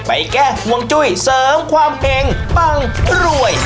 แก้ห่วงจุ้ยเสริมความเห็งปังรวย